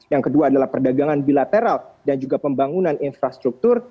yang kedua adalah perdagangan bilateral dan juga pembangunan infrastruktur